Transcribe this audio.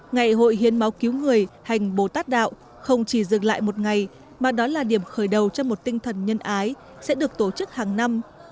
ngày hội hiến máu cứu người hành bồ tát đạo không chỉ dừng lại một ngày mà đó là điểm khởi đầu cho một tinh thần nhân ái sẽ được tổ chức hàng năm